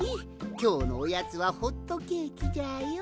きょうのおやつはホットケーキじゃよ。